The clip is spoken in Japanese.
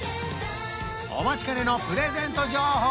お待ちかねのプレゼント情報